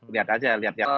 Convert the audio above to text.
lihat aja lihat lihat